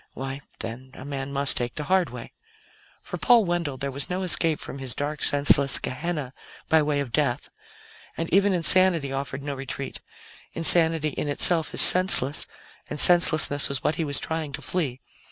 Why, then a man must take the hard way. For Paul Wendell, there was no escape from his dark, senseless Gehenna by way of death, and even insanity offered no retreat; insanity in itself is senseless, and senselessness was what he was trying to flee.